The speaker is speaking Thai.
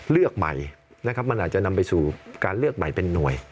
เลือกใหม่นะครับมันอาจจะนำไปสู่การเลือกใหม่เป็นหน่วย